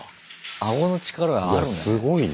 あごの力があるんだね。